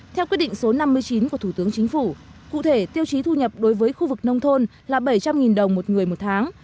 theo quyết định số năm mươi chín của thủ tướng chính phủ cụ thể tiêu chí thu nhập đối với khu vực nông thôn là bảy trăm linh đồng một người một tháng